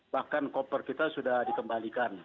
bahkan koper kita sudah dikembalikan